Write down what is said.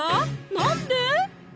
なんで？